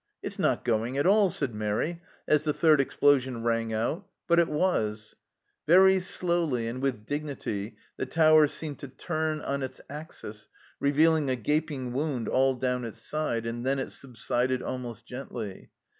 " It's not going at all," said Mairi, as the third explosion rang out, but it was ! Very slowly and with dignity the tower seemed to turn on its axis, revealing a gaping wound all down its side, and then it subsided almost gently.